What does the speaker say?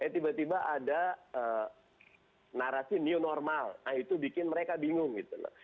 tiba tiba ada narasi new normal itu bikin mereka bingung